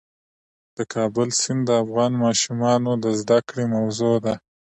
د کابل سیند د افغان ماشومانو د زده کړې موضوع ده.